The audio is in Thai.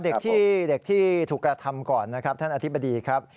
เด็กที่เด็กที่ถูกกระทำก่อนนะครับท่านอธิบดีครับ